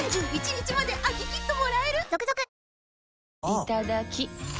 いただきっ！